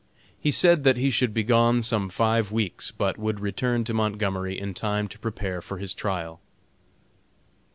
He said that he should be gone some five weeks, but would return to Montgomery in time to prepare for his trial.